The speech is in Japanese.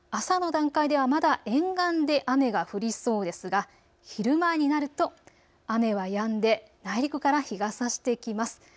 朝の段階ではまだ沿岸で雨が降りそうですが昼前になると雨はやんで内陸から日がさしていきます。